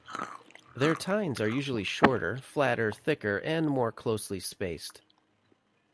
Their tines are usually shorter, flatter, thicker, and more closely spaced.